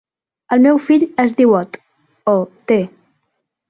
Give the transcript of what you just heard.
El meu fill es diu Ot: o, te.